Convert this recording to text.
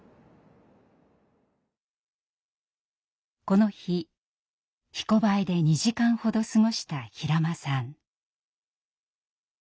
この日「ひこばえ」で２時間ほど過ごした平間さん。